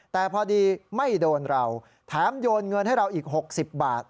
แต่พอดีไม่โดนเราแถมโยนเงินให้เราอีก๖๐บาท